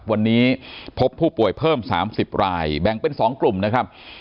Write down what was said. วันนี้พบผู้ป่วยเพิ่ม๓๐รายแบ่งเป็น๒กลุ่มนะครับ